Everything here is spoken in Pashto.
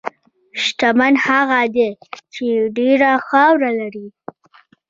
شتمن هغه دی چې ډېره خاوره لري.